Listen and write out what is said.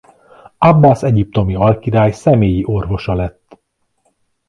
Abbász egyiptomi alkirály személyi orvosa lett.